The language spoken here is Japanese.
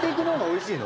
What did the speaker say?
おいしい。